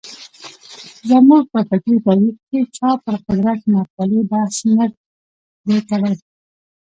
زموږ په فکري تاریخ کې چا پر قدرت مقولې بحث نه دی کړی.